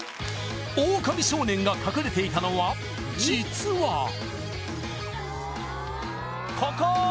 オオカミ少年が隠れていたのは実はここー！